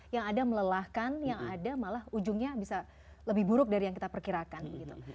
yang ada melelahkan yang ada malah ujungnya bisa lebih buruk dari yang kita perkirakan begitu